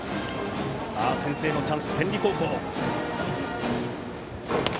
先制のチャンス、天理高校。